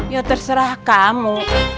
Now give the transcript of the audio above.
ya terserah kamu